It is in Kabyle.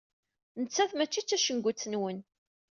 Nettat mačči d tacengut-nwen.